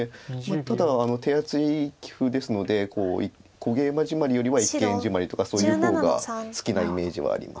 小ゲイマジマリよりは一間ジマリとかそういう方が好きなイメージはあります。